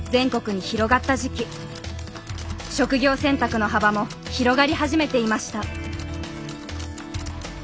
職業選択の幅も広がり始めていました。